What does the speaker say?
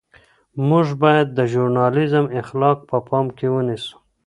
موږ باید د ژورنالیزم اخلاق په پام کې ونیسو.